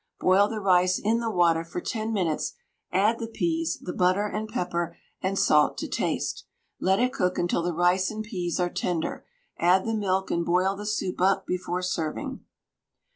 Boil the rice in the water for 10 minutes, add the peas, the butter and pepper and salt to taste. Let it cook until the rice and peas are tender, add the milk and boil the soup up before serving.